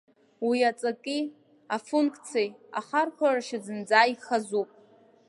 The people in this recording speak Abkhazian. Уи аҵаки, афунқциеи, ахархәашьеи зынӡа ихазуп.